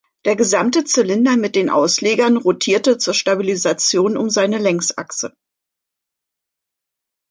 Der gesamte Zylinder mit den Auslegern rotierte zur Stabilisation um seine Längsachse.